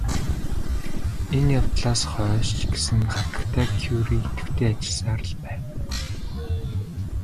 Энэ явдлаас хойш ч гэсэн хатагтай Кюре идэвхтэй ажилласаар л байв.